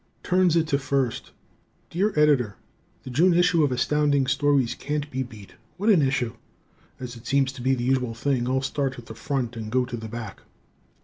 Turns to It First Dear Editor: The June issue of Astounding Stories can't be beat. What an issue! As it seems to be the usual thing, I'll start at the front and go to the back.